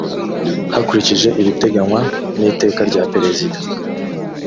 hakurikijwe ibiteganywa n iteka rya perezida